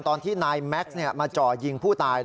ตอนที่นายแม็กซ์มาจ่อยิงผู้ตาย